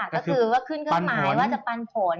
ก็คือก็ขึ้นเครื่องหมายว่าจะปันผล